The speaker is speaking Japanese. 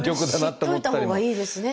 知っといたほうがいいですね。